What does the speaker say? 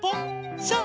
そう。